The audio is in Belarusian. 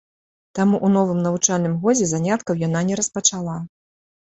Таму ў новым навучальным годзе заняткаў яна не распачала.